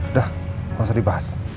udah nggak usah dibahas